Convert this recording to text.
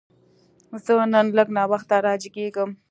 زه نن لږ ناوخته راجیګیږم